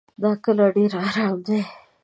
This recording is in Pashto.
دا کلی ډېر ارام دی.